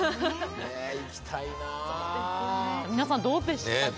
皆さんどうでしたか。